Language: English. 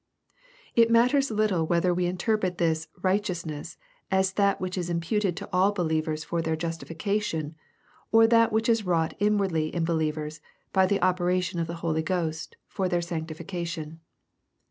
It matters little whether we interpret this " righteous ness" as that which is imputed to all believers for their lustification, or that which is wrought inwardly in believers by the operation of the Holy Ghost, for their sanctification.